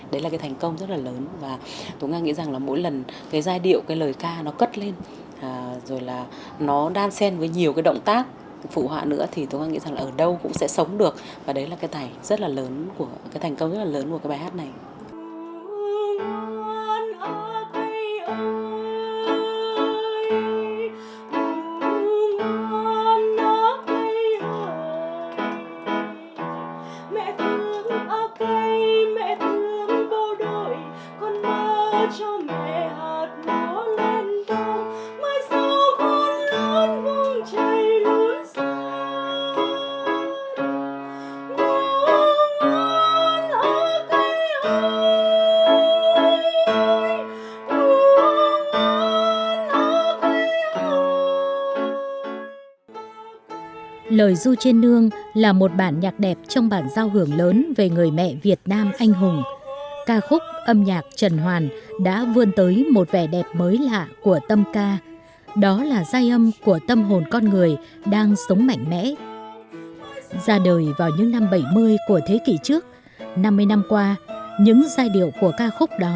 đấy là cái thành công rất là lớn và tôi nghĩ rằng là mỗi lần cái giai điệu cái lời ca nó cất lên rồi là nó đan sen với nhiều cái động tác phụ họa nữa thì tôi nghĩ rằng là ở đâu cũng sẽ sống được